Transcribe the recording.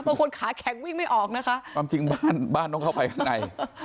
คนขาแข็งวิ่งไม่ออกนะคะความจริงบ้านบ้านต้องเข้าไปข้างใน